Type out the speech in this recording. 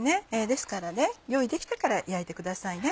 ですから用意できてから焼いてくださいね。